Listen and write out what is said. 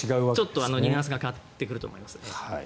ちょっとニュアンスが変わってくると思います。